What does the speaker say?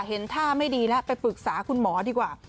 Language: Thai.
เห็นท่าไม่ดีแล้วไปปรึกษาคุณหมอดีกว่า